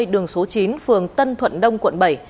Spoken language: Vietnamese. đường số chín phường tân thuận đông quận bảy